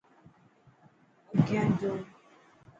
اگيان جو.